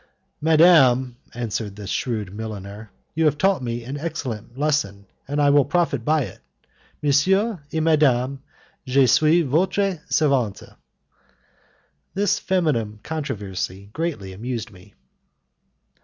"Madam," answered the shrewd milliner, "you have taught me an excellent lesson, and I will profit by it. Monsieur et madame, je suis votre servante." This feminine controversy greatly amused me.